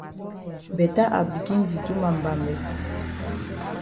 Beta I begin di do ma mbambe.